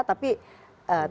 tapi tidak diperiksa